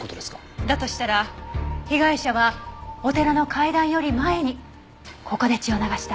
だとしたら被害者はお寺の階段より前にここで血を流した。